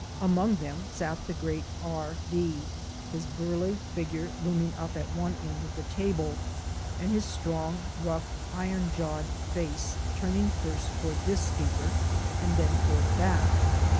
Among them sat the great R D , his burly figure looming up at one end of the table, and his strong, rough, iron jawed face turning first toward this speaker and then toward that.